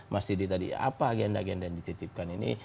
mas didi tadi apa agenda agenda yang dititipkan ini